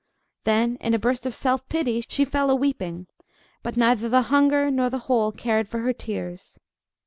Then, in a burst of self pity, she fell a weeping, but neither the hunger nor the hole cared for her tears.